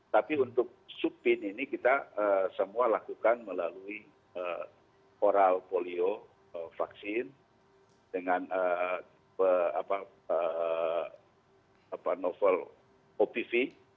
tapi untuk suppin ini kita semua lakukan melalui oral polio vaksin dengan novel opv